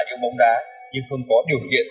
yêu mong đá nhưng không có điều kiện